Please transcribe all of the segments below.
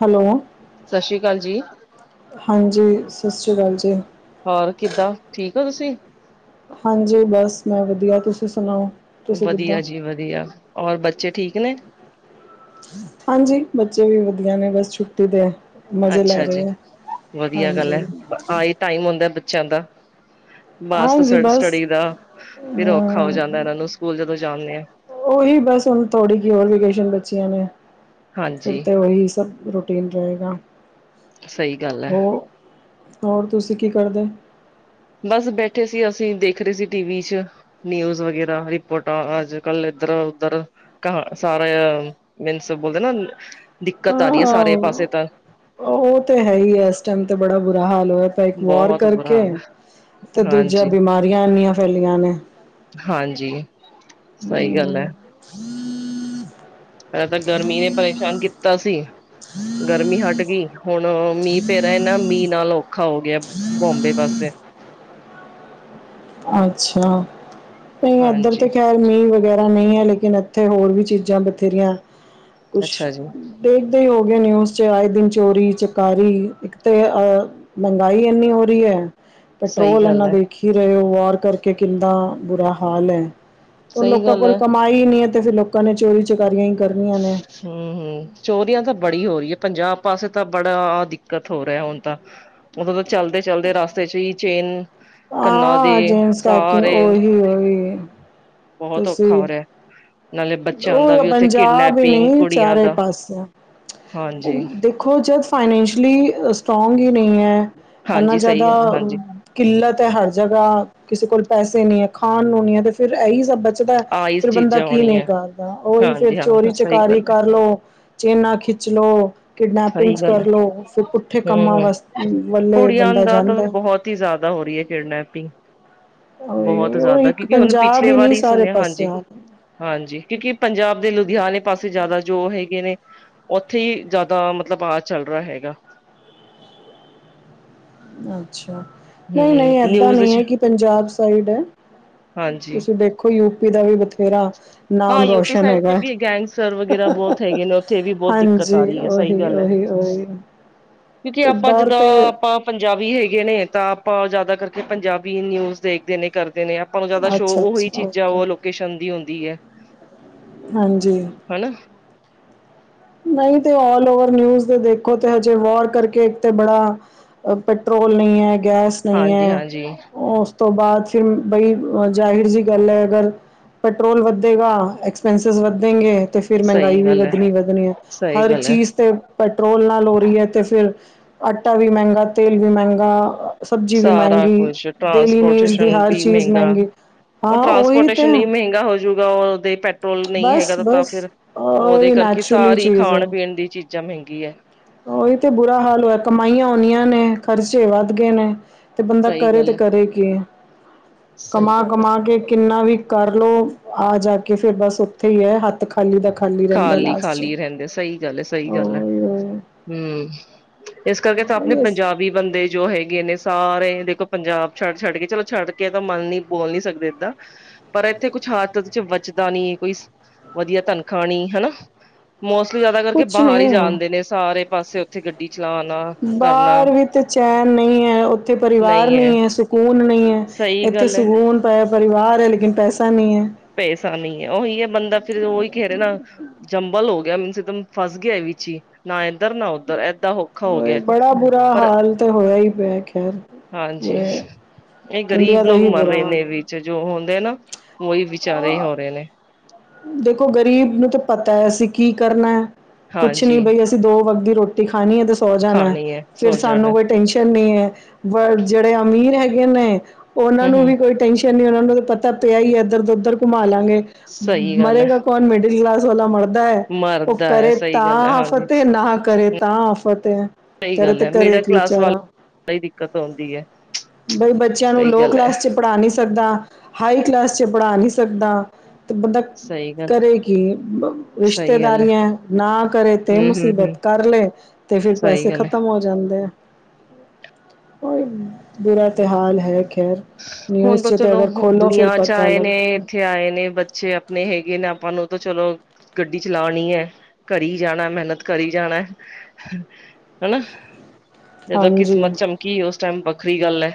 Hello- Sat Sri ਅਕਾਲ ਜੀ, ਹਾਂਜੀ, ਸਤਿ ਸ਼੍ਰੀ ਅਕਾਲ ਜੀ। ਹੋਰ ਕਿਦਾ, ਠੀਕ ਹੋ ਤੁਸੀ? ਹਾਂਜੀ, ਬਸ ਮੈ ਵਧੀਆ, ਤੁਸੀ ਸੁਣਾਓ ਤੁਸੀ ਵਧੀਆ ਕਿਦਾ? ਵਧੀਆ। ਔਰ ਬੱਚੇ ਠੀਕ ਨੇ? ਹਾਂਜੀ, ਬੱਚੇ ਵੀ ਵਧੀਆ ਨੇ, ਬਸ ਛੁੱਟੀ ਦੇ ਮਜ਼ੇ ਲੈ ਰਹੇ ਐ। ਹਾਂਜੀ- ਆ ਹੀ, ਟਾਈਮ ਆਦਾ ਬੱਚਿਆਂ ਦਾ- ਮਾਸ ਸ ਹਾਂਜੀ ਬਸ ਸਟੱਡੀ ਦਾ, ਫਿਰ ਔਖਾ ਹੋ ਅ ਜਾਦਾ ਇਹਨਾਂ ਨੂੰ ਸਕੂਲ, ਜਦੋ ਜਾਦੇ ਆ। ਉਹੀ ਬਸ ਹੁਣ ਥੋੜੀ ਕਿ ਹੋਰ ਵੀਕੇਸ਼ਨ ਬੱਚੀਆਂ ਨੇ, ਫਿਰ ਹਾਂਜੀ, ਤੇ ਉਹੀ ਸਭ- ਰੂਟੀਨ ਰਹੇਗਾ। ਸਹੀ ਗੱਲ ਹੈ, ਹੋਰ- ਹੋਰ ਤੁਸੀ ਕੀ ਕਰਦੇ? ਬਸ ਬੈਠੇ ਸੀ ਅਸੀ, ਦੇਖ ਰਹੇ ਸੀ ਟੀਵੀ 'ਚ- ਨਿਊਜ਼ ਵਗੈਰਾ ਰਿਪੋਰਟਾਂ, ਅਜ ਕਲ ਇਧਰ-ਉਧਰ ਕ ਸਾਰਾ ਮੀਨਸ ਬੋਲਦੇ ਨਾ, ਦਿਕਤ ਆ ਰਹੀ ਹੈ ਸਾਰੇ ਹਾਂ ਪਾਸੇ ਤਾਂ। ਉਹ ਤੇ ਹੈਹੀ ਹੈ, ਇਸ ਟਾਈਮ ਤੇ ਬੜਾ ਬੁਰਾ ਹਾਲ ਹੋਇਆ। ਇਕ ਵਾਰ ਬਹੁਤ ਬੁਰਾ ਹਾਲ ਹੈ, ਕਰਕੇ- ਤੇ ਦੂਜਾ, ਹਾਂਜੀ। ਬਿਮਾਰੀਆਂ ਇਨੀਆਂ ਫੈਲੀਆਂ ਨੇ। ਹਾਂਜੀ, ਸਹੀ ਗੱਲ ਹੈ। ਹਮ, ਪੈਲਾਂ ਤਾਂ, ਗਰਮੀ ਨੇ ਪਰੇਸ਼ਾਨ ਕੀਤਾ ਸੀ। ਗਰਮੀ ਹਟ ਗਈ, ਹੁਣ ਮੀਂਹ ਪੈਰੇਹਾ, ਇਹ ਨਾ ਮੀਂਹ ਨਾਲ ਔਖਾ ਹੋ ਗਿਆ। ਹਮ। [unintelligible] ਬੋਮਬੇ ਪਾਸੇ ਅੱਛਾ, ਅ ਇੱਧਰ ਹਾਂਜੀ ਤੇ ਖੈਰ ਮੀਂਹ ਵਗੈਰਾ ਨਹੀਂ ਹੈ ਲੇਕਿਨ, ਇੱਥੇ ਹੋਰ ਵੀ ਚੀਜ਼ਾਂ ਬਥੇਰੀਆਂ, ਕੁਛ ਅੱਛਾ ਜੀ ਦੇਖਦੇ ਹੀ ਹੋਗੇਏ ਨਿਊਜ਼ 'ਚ, ਆਏ ਦਿਨ ਚੋਰੀ-ਚਕਾਰੀ, ਇੱਕ ਤੇ ਅ ਮਹਿੰਗਾਈ ਇੰਨੀ ਹੋ ਰਹੀ ਹੈ। ਸਹੀ ਪੈਟਰੋਲ ਗੱਲ ਇੰਨਾ ਹੈ ਦੇਖ ਹੀ ਰਹੇ ਹੋ, ਵੌਰ ਕਰਕੇ ਕਿੰਨਾ ਬੁਰਾ ਹਾਲ ਹੈ। ਹਣ ਸਹੀ ਲੋਕਾਂ ਗੱਲ ਕੋਲ ਹੈ। ਕਮਾਈ ਹੀ ਨਹੀਂ ਹੈ ਤੇ, ਫਿਰ ਲੋਕਾਂ ਨੇ ਚੋਰੀ- ਚਕਾਰੀਆਂ ਹੀ ਕਰਨੀਆਂ ਨੇ। ਹਮ ਹਮ, ਚੋਰੀਆਂ ਤਾਂ ਬੜੀ ਹੋ ਰਹੀ ਹੈ ਪੰਜਾਬ ਪਾਸੇ ਤਾਂ, ਬੜਾ ਦਿੱਕਤ ਹੋ ਰਿਹਾ ਹੁਣ ਤਾਂ। ਉਦੋਂ ਤਾਂ ਚਲਦੇ-ਚਲਦੇ ਰਸਤੇ 'ਚ ਹੀ, ਚੇਨ ਕੰਨਾਂ ਦੇ ਹਾਂ ਜੇਮਸ ਕੈਕਿੰਗ ਸਾਰੇ ਬਹੁਤ ਬਸ ਇਹ ਔਖਾ ਹੀ, ਹੋ ਰਿਹਾ ਨਾਲੇ ਬੱਚਿਆਂ ਉਹ ਦਾ ਪੰਜਾਬ ਵੀ ਉੱਥੇ ਪੰਜਾਬ ਵੀ ਕਿਡਨੈਪਿੰਗ ਨਹੀਂ, ਕੁੜੀਆਂ ਚਾਰੇ ਦਾ ਪਾਸਿਆ ਹਾਂਜੀ। ਦੇ ਕੁਝ ਫਾਈਨੈਂਸ਼ਲੀ ਸਟਰੋਂਗ ਹੀ ਨਹੀਂ ਹੈ, ਇਨਾ ਹਾਂਜੀ ਸਹੀ ਜ਼ਿਆਦਾ ਗੱਲ ਹਾਂਜੀ ਕਿੱਲਤ ਹੈ ਹਰ ਜਗ੍ਹਾ, ਕਿਸੇ ਕੋਲ ਪੈਸੇ ਨਹੀਂ ਹੈ, ਖਾਣ ਨੂੰ ਨੀ ਹੈ ਤੇ ਫਿਰ ਇਹੀ ਸਭ ਜਿਦਾ ਆਹੀ ਫੇਰ ਬੰਦਾ ਚੀਜ਼ਾਂ ਕੀ ਨੀ ਹੋਣੀਆਂ ਕਰਦਾ ਉਹੀ ਫੇਰ ਹਾਂਜੀ ਚੋਰੀ ਹਾਂਜੀ ਸਹੀ ਗੱਲ ਚਕਾਰੀ ਹੈ ਕਰ ਲਓ। ਚੇਨਾ ਖਿੱਚ ਲੋ ਸਹੀ ਕਿਡਨੈਪਿੰਗਸ ਗੱਲ ਕਰ ਹੈ ਲਉ ਫੇਰ ਪੁੱਠੇ ਕੰਮਾਂ ਹਮ ਵਾਸ ਵੱਲੇ ਬੰਦਾ ਜਾਂਦਾ। ਦੀ ਜ਼ਾਦਾ ਹੋ ਰਹੀ ਐ ਕਿਡਨੈਪਿੰਗ। ਬਹੋਤ ਉਹੀ- ਉਹ ਜ਼ਿਆਦਾ ਇੱਕ ਕਿਉਂਕਿ ਹੁਨ ਪੰਜਾਬ ਪਿਛਲੇ ਹੀ ਵਾਰ ਨਹੀਂ ਈ ਸਾਰੇ ਸੁਣਿਆ ਪਾਸੇ ਹਾਂਜੀ। ਆ ਹਾਂਜੀ ਕਿਉਂਕਿ ਪੰਜਾਬ ਦੇ ਲੁਧਿਆਣੇ ਪਾਸੇ ਜ਼ਾਦਾ ਜੋ ਹੈਗੇ ਨੇ। ਉੱਥੇ ਹੀ ਜ਼ਾਦਾ ਮਤਲਬ ਆ ਚੱਲ ਰਿਹਾ ਹੈਗਾ। ਅੱਛਾ ਨਈ- ਹਮ ਨਈ ਏਦਾਂ ਨਿਊਜ਼ ਨਹੀਂ ਚ ਹੈ ਕਿ ਪੰਜਾਬ ਸਾਈਡ ਐ। ਹਾਂਜੀ ਤੁਸੀਂ ਦੇਖੋ ਯੂਪੀ ਦਾ ਵੀ ਬਥੇਰਾ ਨਾਮ ਰੋਸ਼ਨ ਹੈਗਾ ਐ। ਸਰਵ ਗੈਰਾ ਬੋਤ ਹੈਗੇ ਨੇ ਉੱਥੇ ਵੀ ਬੋਤ ਦਿੱਕਤ ਆ ਰਹੀ ਹੈ ਸਹੀ ਓਹੀ- ਗੱਲ ਹੈ ਓਹੀ ਕਿਉਂਕਿ ਆਪਾਂ ਜਿੱਦਾਂ ਆਪਾਂ ਪੰਜਾਬੀ ਹੈਗੇ ਨੇ ਤਾਂ ਆਪਾਂ ਜ਼ਾਦਾ ਕਰਕੇ ਪੰਜਾਬੀ ਨਿਊਜ਼ ਦੇਖਦੇ ਨੇ ਕਰਦੇ ਨੇ ਆ- ਆਪਾਂ ਨੂੰ ਜ਼ਾਦਾ ਸ਼ੋ ਅੱਛਾ ਉਹੀ ਅੱਛਾ ਚੀਜ਼ਾਂ ਓਕੇ ਉਹ ਲੋਕੇਸ਼ਨ ਦੀ ਹੁੰਦੀ ਹੈ। ਹਾਂਜੀ। ਹਣਾ। ਨਹੀਂ ਤੇ ਆਲ ਓਵਰ ਨਿਊਜ਼ ਦੇ ਦੇਖੋ ਤੇ ਹਜੇ ਵਾਰ ਕਰਕੇ ਇੱਕ ਤੇ ਬੜਾ ਪੈਟਰੋਲ ਨਹੀਂ ਐ, ਗੈਸ ਨਹੀਂ ਹਾਂਜੀ ਐ, ਹਾਂਜੀ ਉਹ ਤੋਂ ਬਾਅਦ ਫੇਰ ਬਈ ਜ਼ਾਹਿਰ ਜੀ ਗੱਲ ਐ ਅਗਰ ਪੈਟਰੋਲ ਵੱਧੇਗਾ ਐਕਸਪੈਂਸਿਸ ਵਧਣਗੇ ਤੇ ਫੇਰ ਸਹੀ ਮਹਿੰਗਾਈ ਵੀ ਗੱਲ ਹੈ ਵੱਧਣੀ- ਵੱਧਣੀ ਐ ਸਹੀ ਹਰ ਗੱਲ ਹੈ ਚੀਜ਼ ਤੇ ਪੈਟਰੋਲ ਨਾਲ ਹੋ ਰਹੀ ਐ ਤੇ ਫੇਰ ਆਟਾ ਵੀ ਮਹਿੰਗਾ, ਤੇਲ ਵੀ ਮਹਿੰਗਾ। ਸਬਜ਼ੀ ਵੀ ਸਾਰਾ ਮਹਿੰਗੀ, ਕੁਛ ਡੇਲੀ ਨੀਡਸ ਦੀ ਟਰਾਂਸਪੋਰਟੇਸ਼ਨ ਹਰ ਵੀ ਚੀਜ਼ ਮਹਿੰਗਾ ਮਹਿੰਗੀ। ਉਹ ਹਾਂ ਉਹੀ ਤੇ ਟਰਾਂਸਪੋਰਟੇਸ਼ਨ ਨਹੀਂ ਮਹਿੰਗਾ ਹੋਜੂਗਾ ਉਹ ਦੇ ਈ ਪੈਟਰੋਲ ਨਹੀਂ ਬਸ ਹੈਗਾ ਤਾਂ ਬਸ ਫੇਰ ਅ, ਉਹਦੇ ਉਹੀ ਕਰਕੇ ਨੈਚੁਰਲੀ ਸਾਰੀ ਚੀਜ਼ ਖਾਣ- ਹੈ ਪੀਣ ਦੀ ਚੀਜ਼ਾਂ ਮਹਿੰਗੀ ਐ। ਉਹੀ ਤੇ ਬੁਰਾ ਹਾਲ ਹੋਆ ਕਮਾਈਆਂ ਓਨੀਆ ਨੇ ਖਰਚੇ ਵੱਧ ਗਏ ਨੇ। ਤੇ ਬੰਦਾ ਸਹੀ ਕਰੇ ਤੇ ਗੱਲ ਹੈ ਕਰੇ ਕੀ, ਸਹੀ ਕਮਾ- ਗੱਲ ਹੈ ਕਮਾ ਕੇ ਕਿੰਨਾ ਵੀ ਕਰਲੋ ਆ ਜਾ ਕੇ ਫੇਰ ਬਸ ਉੱਥੇ ਈ ਹੈ ਹੱਥ ਖਾਲੀ ਦਾ ਖਾਲੀ ਰਹਿੰਦਾ ਲਾਸਟ ਚ। ਖਾਲੀ ਰਹਿੰਦੇ ਸਹੀ ਗੱਲ ਹੈ ਸਹੀ ਗੱਲ ਐ ਹੂੰ ਇਸ ਕਰਕੇ ਤਾਂ ਆਪਣੇ ਪੰਜਾਬ ਵੀ ਬੰਦੇ ਜੋ ਹੈਗੇ ਨੇ ਸਾਰੇ ਦੇਖੋ ਪੰਜਾਬ ਛੱਡ- ਛੱਡ ਕੇ ਚਲੋ ਛੱਡ ਕੇ ਤਾਂ ਮਨ ਨੀ ਬੋਲ ਨੀ ਸਕਦੇ ਏਦਾਂ ਪਰ ਇੱਥੇ ਕੁਛ ਹਤ ਚ ਬੱਚਦਾ ਨੀ, ਕੋਈ ਵਧੀਆ ਤਨਖਾਹ ਨੀ ਹਨਾ। ਮੋਸਟਲੀ ਜਾਦਾ ਕਰਕੇ ਕੁਛ ਬਾਹਰ ਈ ਨਹੀਂ ਜਾਂਣਦੇ ਹੈ ਨੇ ਸਾਰੇ ਪਾਸੇ ਉੱਥੇ ਗੱਡੀ ਚਲਾਨਾ ਕਰਨਾ ਬਾਹਰ ਵਿ ਤੇ ਚੈਨ ਨਈ ਐ। ਉੱਥੇ ਪਰਿਵਾਰ ਨਹੀਂ ਐ ਸੁ- ਸਕੂਨ ਨਹੀਂ ਏ, ਸਹੀ ਇੱਥੇ ਗੱਲ ਹੈ ਸਕੂਨ ਤਾਂ ਏ ਪਰਿਵਾਰ ਐ ਲੇਕਿਨ ਪੈਸਾ ਨਹੀਂ ਐ। ਪੈਸਾ ਨਹੀਂ ਐ ਉਹੀ ਏ ਬੰਦਾ ਫੇਰ ਉਹੀ ਕਹਿ ਰਿਹਾ ਨਾ। ਜੰਬਲ ਹੋ ਗਿਆ ਮੀਨਸ ਇੱਕਦਮ ਫਸ ਗਿਆ ਵਿੱਚ ਹੀ। ਨਾ ਇਧਰ ਨਾ ਉੱਧਰ ਏਦਾਂ ਔਖਾ ਹੋ ਹੈ ਗਿਆ, ਬੜਾ ਬੁਰਾ ਪਰ ਹਾਲ ਤੇ ਹੋਇਆ ਹੀ ਪਿਆ ਖੈਰ ਹਾਂਜੀ ਪੂਰੇ ਇਹ ਇੰਡੀਆ ਗਰੀਬ ਦਾ ਲੋਕ ਹੀ ਮਰ ਬੁਰਾ ਰਹੇ ਹਾਲ ਨੇ ਹੈ ਵੀ ਚ ਜੋ ਹੁੰਦੇ ਨਾ ਉਹੀ ਵਿਚਾਰੇ ਹੋ ਰਹੇ ਨੇ। ਦੇਖੋ ਗ਼ਰੀਬ ਨੂੰ ਤਾਂ ਪਤਾ ਐ ਅਸੀਂ ਕੀ ਕਰਨਾ ਐ, ਕੁਛ ਨੀ ਹਾਂਜੀ ਬਈ ਅਸੀਂ ਦੋ ਵੱਕਤ ਦੀ ਰੋਟੀ ਰੋਟੀ ਖਾਣੀ ਏ ਤੇ ਸੌ ਜਾਣਾ ਖਾਣੀ ਹੈ ਫੇਰ ਸੋ ਜਾਣਾ ਸਾਨੂੰ ਕੋਈ ਟੈਨਸ਼ਨ ਨਹੀ ਐ। ਬਸ ਜਿਹੜੇ ਅਮੀਰ ਹੈਗੇ ਨੇ ਉਹਨਾਂ ਹਮ ਨੂੰ ਹਮ ਵੀ ਕੋਈ ਟੈਨਸ਼ਨ ਨੀ ਉਹਨਾਂ ਨੂੰ ਪਤਾ ਪਿਆ ਹੈ ਏ ਇੱਧਰ ਤੋਂ ਉੱਧਰ ਘੁੰਮਾ ਲਾਂਗੇ, ਸਹੀ ਗੱਲ ਹੈ ਮਰੇਗਾ ਕੌਣ ਮਿਡਲ ਕਲਾਸ ਵਾਲਾ ਮਰਦਾ ਐ, ਉਹ ਮਰਦਾ ਹੈ ਕਰੇ ਸਹੀ ਗੱਲ ਹੈ ਤਾਂ ਹਾਂਜੀ ਆਫਤ ਏ ਨਾ ਕਰੇ ਤਾਂ ਉਹ ਤੇ ਐ। ਸਈ ਗੱਲ ਐ। ਮਿਡਲ ਕਲਾਸ ਵਾਲ ਦਿੱਕਤ ਆਉਂਦੀ ਐ। ਬਈ ਬੱਚੇਆਂ ਨੂੰ ਲੋਅ ਕਲਾਸ ਚ ਪੜਾ ਨੀ ਸਕਦਾ, ਹਾਈ ਕਲਾਸ ਚ ਪੜਾ ਨੀ ਸਕਦਾ। ਤੇ ਬੰਦਾ ਸਹੀ ਗੱਲ ਕਰੇ ਕੀ? ਸਹੀ ਗੱਲ ਹੈ ਰਿਸ਼ਤੇਦਾਰੀਆਂ ਐਂ ਨਾ ਕਰੇ ਤੇ ਹਮ ਹਮ ਹਮ ਮੁਸੀਬਤ ਕਰ ਲੇ ਤੇ ਫਿਰ ਸਹੀ ਪੈਸੇ ਗੱਲ ਹੈ ਖ਼ਤਮ ਹੋ ਜਾਂਦੇ ਐ। ਓਈ ਬੁਰਾ ਤੇ ਹਾਲ ਐ ਖੈਰ ਹੁਨ ਨਿਊਜ਼ ਤੋ 'ਚ ਤਾਂ ਚਲੋ ਅਗਰ ਖੋਲ੍ਹੋ ਫਿਰ ਦੁਨੀਆਂ ਚ ਪਤਾ ਆਏ ਨੇ ਲੱਗਦਾ ਏਥੇ ਆਏ ਨੇ ਬੱਚੇ ਅਪਨੇ ਹੈਗੇ ਨੇ ਆਪਾਂ ਨੂੰ ਚਲੋ ਗੱਡੀ ਚਲਾਣੀ ਐ। ਕਰੀ ਜਾਣਾ ਮੈਨਤ ਕਰੀ ਜਾਣੈ ਹੈਨਾ। ਜਦੋਂ ਹਾਂਜੀ ਕਿਸਮਤ ਚਮਕੀ ਓਸ ਟਾਈਮ ਵੱਖਰੀ ਗੱਲ ਐ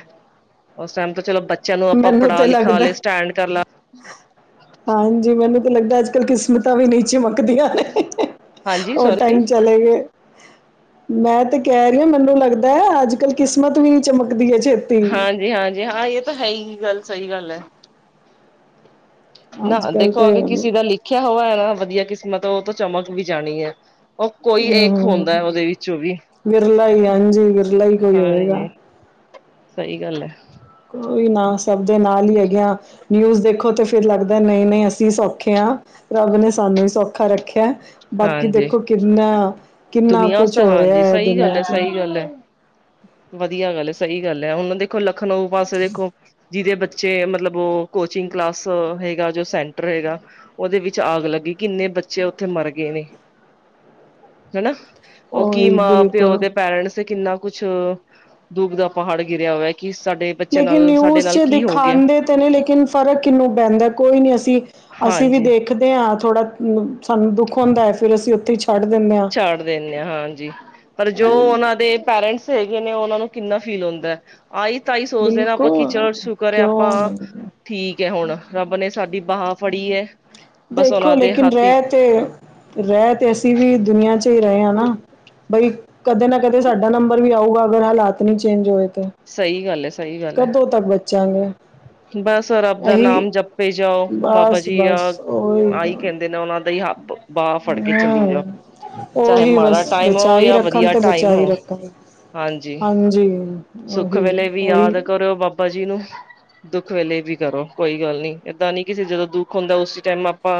ਓਸ ਟਾਈਮ ਤੋ ਚਲੋ ਬੱਚੇਆਂ ਨੂੰ ਆਪਾਂ ਮੈਨੂੰ ਪੜ੍ਹਾ ਤਾਂ ਲਿਖਾ ਲੱਗਦਾ ਲੇ ਸਟੈਂਡ ਕਰ ਲਾ ਹਾਂਜੀ, ਮੈਨੂੰ ਤੇ ਲੱਗਦਾ ਅੱਜ-ਕੱਲ ਕਿਸ ਮਤਾਂ ਵੀ ਨੀ ਚਮਕਦੀਆਂ ਨੇ। ਹਾਂਜੀ ਓ ਸੋਰੀ ਟਾਈਮ ਚਲੇ ਗਏ। ਮੈਂ ਤੇ ਕੈਰੀ ਆਂ ਮੈਨੂੰ ਲੱਗਦਾ ਐ ਅੱਜ-ਕੱਲ ਕਿਸਮਤ ਵੀ ਨੀ ਚਮਕਦੀ ਐ ਛੇਤ ਹਾਂਜੀ, ਹਾਂਜੀ ਹਾਂ ਏ ਤਾਂ ਹੈ ਈ ਗੱਲ, ਸਈ ਗੱਲ ਐ। ਨਾ ਅੱਜ ਕੱਲ ਦੇਖੋ ਤੇ ਅਗਰ ਕਿਸੇ ਦਾ ਲਿਖੇਆ ਹੋਆ ਐ ਨਾ ਵਧੀਆ ਕਿਸਮਤ ਓ ਤੋ ਚਮਕ ਵੀ ਜਾਣੀ ਐ। ਓ ਕੋਈ ਅ ਏਕ ਹੁੰਦਾ ਐ ਓਦੇ ਵਿੱਚੋਂ ਵੀ, ਵਿਰਲਾ ਹੀ ਹਾਂਜੀ ਵਿਰਲਾ ਹੀ ਕੋਈ ਹੋਏਗਾ ਹਾਂਜੀ। ਸਈ ਗੱਲ ਐ। ਕੋਈ ਨਾ ਸਬ ਦੇ ਨਾਲ ਈ ਹੈਗੇਆਂ। ਨਿਊਜ਼ ਦੇਖੋ ਤੇ ਫਿਰ ਲੱਗਦਾ ਨਈ ਨਈ ਅਸੀ ਸੌਖੇ ਆਂ। ਰੱਬ ਨੇ ਸਾਨੂੰ ਈ ਸੌਖਾ ਰੱਖੇਆ। ਬਾਕੀ ਹਾਂਜੀ ਦੇਖੋ ਕਿੰਨਾ ਕਿੰਨਾ ਦੁਨੀਆਂ ਕੁਛ ਤੇ ਹੋ ਰਿਹਾ ਹਾਂਜੀ। ਹੈ ਸਈ ਗੱਲ ਦੁਨੀਆਂ ਐ, ਚ ਸਈ ਗੱਲ ਐ। ਵਧੀਆ ਗੱਲ ਐ। ਸਈ ਗੱਲ ਐ। ਹੁਨ ਦੇਖੋ ਲਖਨਊ ਪਾਸੇ ਦੇਖੋ ਜਿਦੇ ਬੱਚੇ ਮਤਲਬ ਓ ਕੋਚਿੰਗ ਕਲਾਸ ਹੈਗਾ ਜੋ ਸੈਂਟਰ ਹੈਗਾ ਓਦੇ ਵਿੱਚ ਆਗ ਲੱਗੀ। ਕਿੰਨੇ ਬੱਚੇ ਓਥੇ ਮਰਗੇ ਨੇ। ਹੈਨਾ। ਓ ਕੀ ਉਹੀ ਮਾਂ ਪੇਓ ਬਿਲਕੁਲ ਦੇ ਪੈਰੈਂਟਸ ਤੇ ਕਿੰਨਾ ਕੁਛ, ਦੁਖ ਦਾ ਪਹਾੜ ਗਿਰਿਆ ਹੋਏਆ ਕਿ ਸਾਡੇ ਬੱਚੇ ਲੇਕਿਨ ਨਾਲ ਸਾਡੇ ਨਿਊਜ਼ ਨਾਲ ਚ ਕੀ ਹੋ ਗਿਆ ਦਿਖਾਂਦੇ ਤੇ ਨੇ ਲੇਕਿਨ ਫਰਕ ਕਿੰਨੂੰ ਪੈਂਦੈ? ਕੋਈ ਨੀ ਅਸੀ ਅਸੀ ਵੀ ਹਾਂਜੀ ਦੇਖਦੇ ਆਂ ਥੋੜਾ। ਸਾਨੂੰ ਦੁੱਖ ਹੁੰਦਾ ਐ ਫਿਰ ਅਸੀ ਓਥੇ ਈ ਛੋ ਛੱਡ ਦਿਨੇਂ ਆਂ। ਛੱਡ ਦੇਨੇ ਆਂ। ਹਾਂਜੀ, ਪਰ ਜੋ ਓਨਾਂ ਦੇ ਪੇਰੈਂਟਸ ਹੈਗੇ ਨੇ ਓਨਾਂ ਨੂੰ ਕਿੰਨਾ ਫੀਲ ਹੁੰਦਾ ਐ। ਆਈ ਤਾਂਈ ਸੋਚਦੇ ਨਾ ਆਪਾਂ ਕਿ ਬਿਲਕੁਲ ਚਲੋ ਸ਼ੁਕਰ ਐ ਕਿਉਂ ਆਪਾਂ ਨਹੀਂ ਠੀਕ ਐ ਹੁਣ ਰੱਬ ਨੇ ਸਾਡੀ ਬਾਹ ਫੜੀ ਐ। ਦੇਖੋ ਲੇਕਿਨ ਰੈਤ ਤੇ ਰੈ ਤੇ ਅਸੀ ਵੀ ਦੁਨੀਆਂ ਚ ਈ ਰਏ ਆਂ ਨਾ ਬਈ ਕਦੇ ਨਾ ਕਦੇ ਸਾਡਾ ਨੰਬਰ ਵੀ ਆਊਗਾ ਅਗਰ ਹਾਲਾਤ ਨੀ ਚੇਂਜ ਹੋਏ ਤੇ। ਸਹੀ ਗੱਲ ਹੈ ਸਹੀ ਗੱਲ ਹੈ ਕਦੋਂ ਤੱਕ ਬਚਾਂਗੇ? ਬਸ ਅ ਰੱਬ ਦਾ ਇਹੀ ਨਾਮ ਜਪ ਜਪੇ ਜਾਓ। ਬਾਬਾ ਬਸ ਜੀ ਆ ਬਸ ਉਹੀ ਆਈ ਕੈਂਦੇ ਨੇ ਓਨਾਂ ਦਾ ਈ ਹਬ ਬਾਹ ਫੜ ਕੇ ਚੱਲੀ ਹਮ ਜਾਓ। ਚਾਹੇ ਉਹੀ ਮਾੜਾ ਬਸ ਟਾਈਮ ਹੋ ਬਚਾ ਹੀ ਯਾ ਰੱਖਣ ਵਧੀਆ ਅਤੇ ਟਾਈਮ ਬਚਾ ਹੀ ਹੋ ਰੱਖਣ ਹਾਂਜੀ। ਸੁੱਖ ਉਹੀ ਵੇਲੇ ਵੀ ਉਹੀ ਯਾਦ ਕਰੋ ਬਾਬਾ ਜੀ ਨੂੰ। ਦੁੱਖ ਵੇਲੇ ਵੀ ਕਰੋ। ਕੋਈ ਗੱਲ ਨੀ। ਏਦਾਂ ਨੀ ਕਿਸੇ ਜਦੋਂ ਦੁੱਖ ਹੁੰਦਾ ਉਸੀ ਟੈਮ ਆਪਾਂ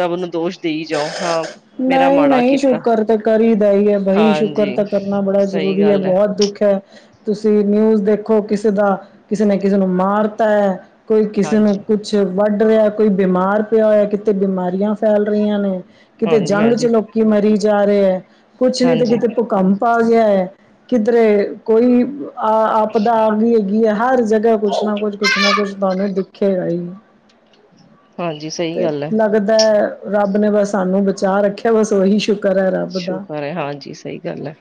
ਰਬ ਨੂੰ ਦੋਸ਼ ਦੇਈ ਜਾਓ ਹਾਂ ਮੇਰਾ ਨਈ ਮਾੜਾ ਨਈ ਕੀਤਾ ਸ਼ੁਕਰ ਤਾਂ ਕਰੀਦਾ ਈ ਏ ਬਈ ਸ਼ੁਕਰ ਹਾਂਜੀ ਤਾਂ ਕਰਨਾ ਬੜਾ ਸਹੀ ਜ਼ਰੂਰੀ ਐ। ਗੱਲ ਹੈ ਬੋਹਤ ਦੁੱਖ ਐ। ਤੁਸੀ ਨਿਊਜ਼ ਦੇਖੋ ਕਿਸੇ ਦਾ, ਕਿਸੇ ਨੇ ਕਿਸੇ ਨੂੰ ਮਾਰਤਾ ਐ। ਕੋਈ ਕਿਸੇ ਨੂੰ ਹਾਂਜੀ ਕੁਛ ਵੱਢ ਰਿਹਾ ਐ। ਕੋਈ ਬਿਮਾਰ ਪਿਆ ਹੋਇਆ, ਕਿਤੇ ਬਿਮਾਰੀਆਂ ਫੈਲ ਰਹੀਆਂ ਨੇ, ਕਿਤੇ ਹਾਂਜੀ ਜੰਗ ਚ, ਹਾਂਜੀ ਲੋਕ ਕੀ ਮਰੀ ਜਾ, ਰੇ ਐ। ਕੁਛ ਨੀ ਤੇ ਹਾਂਜੀ ਕਿਤੇ ਭੁਕੰਪ ਪਾ ਗਿਆ ਐ। ਕਿਧਰੇ ਕੋਈ ਆ ਆਪਦਾ ਆਗੀ ਏ। ਹੈ ਹਰ ਜਗ੍ਹਾ ਕੁਛ ਨਾ ਕੁਛ-ਕੁਛ ਨਾ ਕੁਛ ਤੁਹਾਨੂੰ ਦਿਖੇਗਾ ਈ। ਹਾਂਜੀ ਸਹੀ ਤੇ ਗੱਲ ਹੈ ਲੱਗਦਾ ਐ ਰੱਬ ਨੇ ਬਸ ਸਾਨੂੰ ਬਚਾ ਰੱਖਿਆ। ਬਸ ਓਹੀ ਸ਼ੁਕ ਕਰ ਐ ਰੱਬ ਦਾ। ਸ਼ੁਕਰ ਹੈ ਹਾਂਜੀ ਸਹੀ ਗੱਲ ਹੈ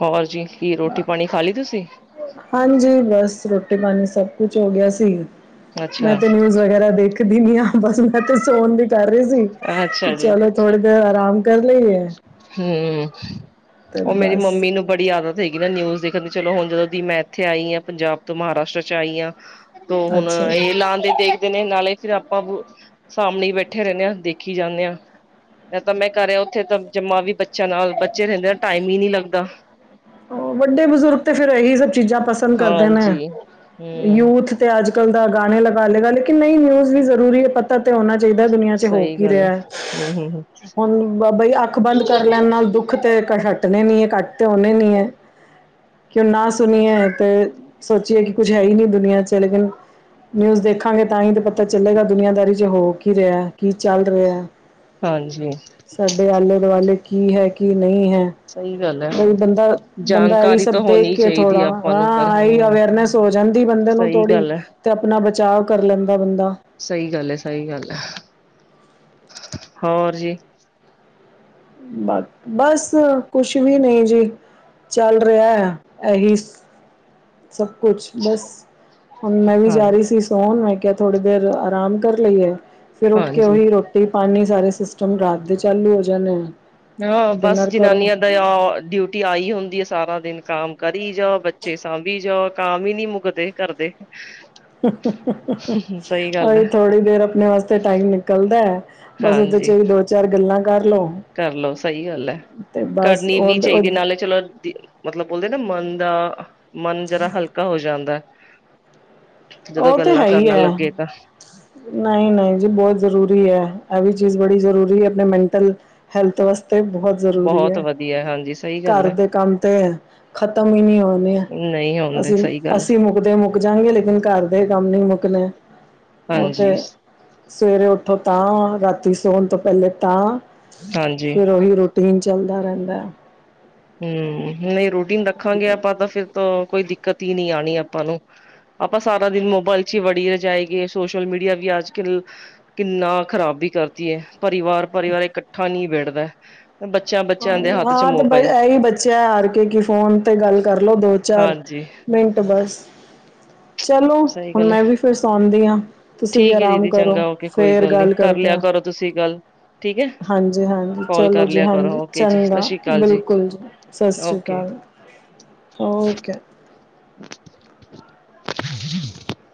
ਹੋਰ ਜੀ। ਕੀ ਰੋਟੀ ਪਾਣੀ ਖਾ ਲੀ ਤੁਸੀ? ਹਾਂਜੀ। ਬਸ ਰੋਟੀ ਪਾਣੀ ਸਭ ਕੁਛ ਹੋ ਗਿਆ ਸੀ। ਮੈਂ ਅੱਛਾ ਤੇ ਨਿਊਜ਼ ਵਗੈਰਾ ਦੇਖਦੀ ਨੀ ਆ। ਬਸ ਮੈਂ, ਤੇ ਸੋਣ ਦੀ ਕਰ ਰਹੀ ਸੀ ਕਿ ਅੱਛਾ ਚਲੋ ਥੋੜੀ ਦੇਰ ਆਰਾਮ ਕਰ ਲਈਏ। ਹੂੰ। ਤੇ ਓ ਮੇਰੀ ਬਸ ਮੰਮੀ ਨੂੰ ਬੜੀ ਆਦਤ ਹੈਗੀ ਨਾ ਨਿਊਜ਼ ਦੇਖਣ ਦੀ। ਚਲੋ ਹੁਣ ਜਦੋਂ ਦੀ ਮੈਂ, ਏਥੇ ਆਈ ਆਂ ਪੰਜਾਬ ਤੋਂ ਮਹਾਰਾਸ਼ਟਰ ਚ, ਆਈ ਆਂ। ਤੋ ਹੁਣ ਅੱਛਾ ਜੀ। ਏ ਲਾਂਦੇ ਦੇ ਨੇ ਨਾਲੇ ਫਿਰ ਆਪਾਂ ਸਾਮਣੇ ਈ ਬੈਠੇ ਰਹਿੰਨੇ ਆਂ। ਦੇਖੀ ਜਾਂਨੇ ਆਂ। ਤਾਂ ਮੈਂ ਕਰਿਆ ਔਥੇ ਤਾਂ ਜੰਮਾ ਵੀ ਬੱਚਿਆਂ ਨਾਲ ਬੱਚੇ ਰਹਿੰਦੇ ਆ ਟਾਈਮ ਈ, ਨੀ ਲੱਗਦਾ। ਵੱਡੇ ਬਜ਼ੁਰਗ ਤੇ ਫੇਰ ਏਈ ਸਭ ਚੀਜ਼ਾਂ ਪਸੰਦ ਕਰਦੇ ਨੇ। ਹਾਂਜੀ ਹਮ ਯੂਥ ਤੇ ਅੱਜ-ਕੱਲ ਦਾ ਗਾਣੇ ਲਗਾ ਲੇਗਾ। ਲੇਕਿਨ ਨਈ ਨਿਊਜ਼ ਵੀ ਜ਼ਰੂਰੀ ਏ ਪਤ ਤਾ ਤੇ ਹੋਣਾ ਚਾਹੀਦਾ ਦੁਨੀਆਂ ਚ ਹੋ ਸਹੀ ਕੀ ਗੱਲ ਹੈ ਰਿਹਾ ਐ। ਹਮ ਹਮ ਹਮ ਹੁਣ ਬਾਈ ਅੱਖ ਬੰਦ ਕਰ ਲੈਣ ਨਾਲ ਦੁੱਖ ਤੇ, ਕਈ ਹੱਟਣੇ ਨੀ ਐ ਘੱਟ ਤੇ ਹੋਣੇ ਨੀ ਐ। ਕਿਉ ਨਾ ਸੁਣੀਏ ਤੇ, ਸੋਚੀਏ ਕਿ ਕੁੱਛ ਹੈ ਈ ਨਈ ਦੁਨੀਆਂ ਚ। ਤੇ ਲੇਕਿਨ ਨਿਊਜ਼ ਦੇਖਾਂਗੇ। ਤਾਂ ਹੀ ਤੇ ਪਤਾ ਚੱਲੇਗਾ ਦੁਨੀਆਦਾਰੀ ਚ ਹੋ ਕ ਕੀ ਰਿਹਾ ਐ? ਕੀ ਚੱਲ ਰਿਹਾ ਐ? ਹਾਂਜੀ। ਦੇ ਆਲੇ-ਦੁਆਲੇ ਕੀ ਹੈ? ਕੀ ਨਈ ਹੈ? ਸਹੀ ਗੱਲ ਐ। ਬਈ ਬੰਦਾ ਬੰਦਾ ਐਈ ਸਭ ਦੇਖ ਕੇ, ਥੋੜਾ ਨੂੰ ਪਰ ਹਾਂ ਐਈ ਹਮ ਅਵੇਅਰਨੈਸ ਹੋ ਜਾਂਦੀ ਬੰਦੇ ਨੂੰ ਸਹੀ ਥੋੜ੍ਹੀ। ਗੱਲ ਹੈ ਤੇ, ਅਪਣਾ ਬਚਾਵ ਕਰ ਲੈਂਦਾ ਬੰਦਾ। ਸਹੀ ਗੱਲ ਐ। ਸਹੀ ਗੱਲ ਐ। ਹੋਰ ਜੀ। ਬਸ ਕੁਛ ਵੀ ਨਈ ਜੀ। ਚੱਲ ਰਿਹਾ ਹੈ ਐਹੀ ਸ ਸਭ ਕੁਛ। ਬਸ ਹੁਨ ਮੈਂ, ਵੀ ਹਾਂ ਜਾ ਰਹੀ ਸੀ। ਹੁਣ ਮੈਂ ਕਿਹਾ ਥੋੜੀ ਦੇਰ ਆਰਾਮ ਕਰ ਲਈਏ। ਫੇਰ ਉਠ ਕੇ ਹਾਂਜੀ ਓਹੀ ਰੋ ਕੀ ਪਾਣੀ ਸਾਰੇ ਸਿਸਟਮ ਰਾਤ ਦੇ ਚਾਲੂ ਹੋ, ਜਾਂਣੇ ਐ। ਡਿਨਰ ਕਰੋ ਓ ਡਿਊਟੀ ਆਈ ਹੁੰਦੀ ਐ, ਸਾਰਾ ਦਿਨ। ਕੰਮ ਕਰੀ ਜਾਓ ਬੱਚੇ ਸਾਂਭੀ ਜਾਓ। ਕਾਮ ਈ, ਨੀ ਮੁੱਕਦੇ ਘਰਦੇ। ਸਹੀ ਗੱਲ ਔਈ ਹੈ ਥੋੜ੍ਹੀ ਦੇਰ ਅਪਣੇ ਵਾਸਤੇ ਟਾਈਮ ਨਿਕਲਦਾ ਐ। ਬਸ ਓਦੇ ਚ, ਵੀ ਦੋ, ਚਾਰ ਗੱਲਾਂ ਕਰ ਲਓ। ਕਰ ਲਓ ਸਹੀ ਗੱਲ ਐ। ਤੇ ਬਸ ਕਰਨੀ ਵੀ, ਉਹ ਚਾਹੀਦੀ ਨਾਲੇ ਚਲੋ ਮਤਲਬ ਬੋਲਦੇ ਨਾ ਮਨ ਦਾ ਮਨ ਜਰਾ ਹਲਕਾ ਹੋ ਜਾਂਦਾ ਐ। ਜਦੋਂ ਗੱਲਾਂ ਕਰਨ ਲੱਗੇ ਤਾਂ। ਨਈ-ਨਈ ਜੀ ਬਹੁਤ ਜ਼ਰੂਰੀ ਐ। ਐਵੀ ਚੀਜ਼ ਬੜੀ ਜ਼ਰੂਰੀ ਐ ਅਪਣੇ ਮੈਂਟਲ ਹੈਲਥ ਵਾਸਤੇ। ਤੇ ਬੋਹਤ ਜ਼ਰੂਰੀ ਬਹੁਤ ਐ। ਵਧੀਆ ਹਾਂਜੀ ਸਹੀ ਗੱਲ ਘਰ ਹੈ ਦੇ ਕੰਮ ਤੇ ਖ਼ਤਮ ਈ ਨੀ ਹੋਨੇ। ਨਹੀਂ ਹੁੰਦੇ ਸਹੀ ਗੱਲ ਅਸੀ-ਅਸੀ ਮੁੱਕਦੇ ਮੁੱਕ ਮੁੱਕ ਜਾਂਗੇ ਲੇਕਿਨ ਘਰ ਦੇ, ਕੰਮ ਨੀ ਮੁੱਕਣੇ ਹਾਂਜੀ ਓਤੇ ਸਵੇਰੇ ਉਠੋ ਤਾਂ, ਰਾਤੀ ਸੋਣ ਤੋਂ ਪਹਿਲੇ ਤਾਂ ਹਾਂਜੀ ਫੇਰ ਓਈ ਰੋਟ ਰੁਟੀਨ ਚੱਲਦਾ ਰਹਿੰਦਾ ਹੂ, ਨਹੀਂ ਰੁਟੀਨ ਨੂੰ ਰਖਾਂਗੇ ਆਪਾਂ ਤਾਂ, ਫਿਰ ਤਾਂ ਕੋਈ ਦਿੱਕਤ ਹੀ ਨਹੀਂ ਆਉਣੀ ਆਪਾਂ ਨੂੰ ਆਪਾਂ ਸਾਰਾ ਦਿਨ ਮੋਬਾਇਲ ਚੱ ਹੀ ਵੜੀ ਜਾਈਏ, ਸੋਸ਼ਲ ਮੀਡੀਆ ਵੀ ਅੱਜ ਕੱਲ ਕਿੰਨਾ ਖ਼ਰਾਬੀ ਕਰਤੀ ਹੈ, ਪਰਿਵਾਰ ਪਰਿਵਾਰ ਇਕੱਠਾ ਨੀ ਬੈਠਦਾ ਬੱਚਿਆਂ ਬੱਚਿਆਂ ਦੇ ਹੱਥ ਚ ਮੋਬਾਇਲ ਬੱਚਿਆਂ, ਹਾਰ ਕੇ ਕਿ ਫੋਨ ਤੇ ਗੱਲ ਕਰਲੋ ਦੋ ਚਾਰ ਹਾਂਜੀ ਮਿੰਟ ਬਸ ਚਲੋ ਸਹੀ ਹੁਣ ਗੱਲ ਮੈਂ ਹੈ, ਵੀ ਫਿਰ ਸੌਂਦੀ ਹਾਂ। ਤੁਸੀਂ ਵੀ ਠੀਕ ਹੈ ਆਰਾਮ ਦੀਦੀ ਕਰੋ ਚੰਗਾ ਹੋਕੇ ਕੋਈ ਫੇਰ ਗੱਲ ਨੀ, ਕਰ ਕਰਦੇ ਲਿਆ ਹਾਂ। ਕਰੋਂ ਤੁਸੀਂ ਗੱਲ ਠੀਕ ਹੈ ਹਾਂਜੀ ਹਾਂਜੀ ਕਾਲ ਚਲੋ ਕਰ ਜੀ ਲਿਆ ਹਾਂਜੀ ਕਰੋ ਓਕੇ ਜੀ ਸਤਿ ਚੰਗਾ ਸ੍ਰੀ ਅਕਾਲ ਬਿਲਕੁੱਲ ਜੀ ਸਤਿ ਸ਼੍ਰੀ ਓਕੇ ਅਕਾਲ ਓਕੇ [unintelligible]